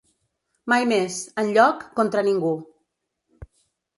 Mai més, enlloc, contra ningú.